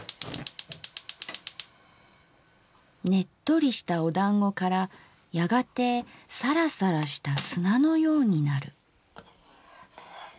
「ねっとりしたおだんごからやがてサラサラした砂のようになる」。